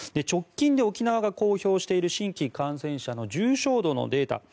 直近で沖縄が公表している新規感染者の重症度のデータ